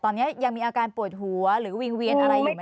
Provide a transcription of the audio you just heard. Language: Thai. ตอนนี้ยังมีอาการปวดหัวหรือวิงเวียนอะไรอยู่ไหม